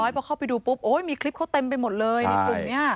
พอเข้าไปดูปุ๊บโอ้ยมีคลิปเขาเต็มไปหมดเลยในกลุ่มนี้